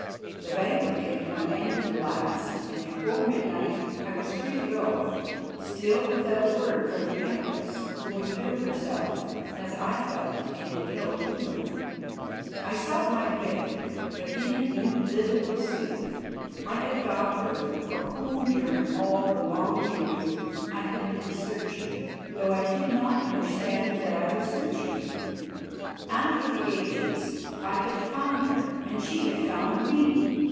The banquet came to an end at last and before midnight I was free to go, still without word from the Empress, who withdrew herself, as I thought in an ill humour. I sought my bed, but in it knew little of sleep. I had found her for whom during all the long years I had been searching, though I did not understand that I was searching. After the ages I had found her and she had found me.